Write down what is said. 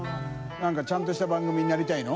燭ちゃんとした番組になりたいの？